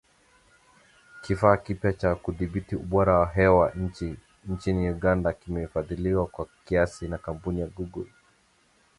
Kifaa kipya cha kudhibiti ubora wa hewa nchini Uganda kimefadhiliwa kwa kiasi na kampuni ya Google, kwa gharama ya dola milioni mia hamsini.